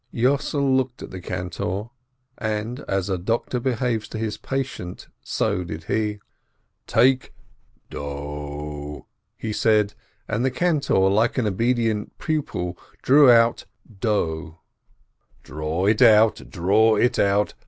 Yossel looked at the cantor, and as a doctor behaves to his patient, so did he : "Take do!" he said, and the cantor, like an obedient pupil, drew out do. "Draw it out, draw it out!